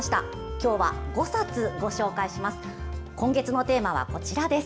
今日は５冊ご紹介します。